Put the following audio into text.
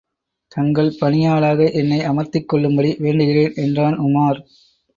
தங்கள் பணியாளாக என்னை அமர்த்திக் கொள்ளும்படி வேண்டுகிறேன்! என்றான் உமார்.